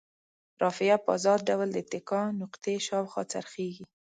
رافعه په ازاد ډول د اتکا نقطې شاوخوا څرخیږي.